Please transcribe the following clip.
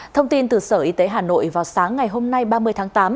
thông tin từ sở y tế hà nội vào sáng ngày hôm nay ba mươi tháng tám